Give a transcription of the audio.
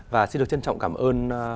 và xin được trân trọng cảm ơn